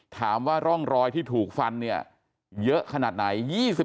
ถามว่าร่องรอยที่ถูกฟันเนี่ยเยอะขนาดไหน